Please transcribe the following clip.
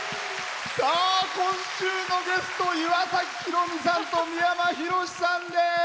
今週のゲスト岩崎宏美さんと三山ひろしさんです。